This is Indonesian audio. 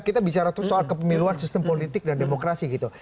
kita bicara soal kepemiluan sistem politik dan demokrasi gitu